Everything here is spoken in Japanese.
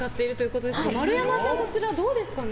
丸山さん、こちらどうですかね。